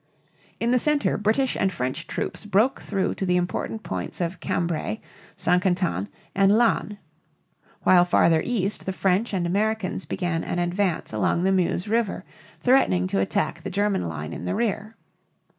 In the center British and French troops broke through to the important points of Cambrai, St. Quentin (săn kahn tăn´) and Laon (lahn), while farther east the French and Americans began an advance along the Meuse River, threatening to attack the German line in the rear.